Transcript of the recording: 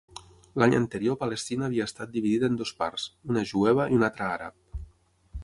L'any anterior Palestina havia estat dividida en dues parts: una jueva i una altra àrab.